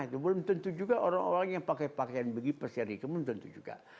itu belum tentu juga orang orang yang pakai pakaian begitu persyarikat itu belum tentu juga